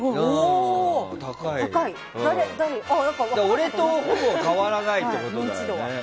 俺とほぼ変わらないってことだよね。